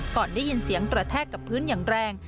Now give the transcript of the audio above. ก่อนได้ยินเสียงกระแทกกับพื้นอย่างแรง